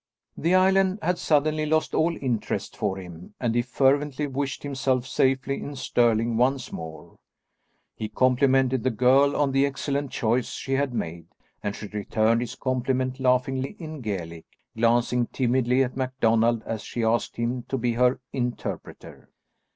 The island had suddenly lost all interest for him and he fervently wished himself safely in Stirling once more. He complimented the girl on the excellent choice she had made, and she returned his compliment laughingly in Gaelic, glancing timidly at MacDonald as she asked him to be her interpreter.